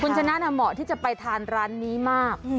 คุณชนะเหมาะที่จะไปทานร้านนี้มาก